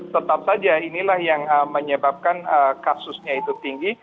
tetap saja inilah yang menyebabkan kasusnya itu tinggi